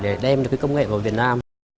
để đem công nghệ vào việt nam